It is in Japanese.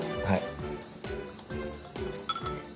はい。